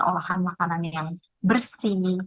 olahan makanan yang bersih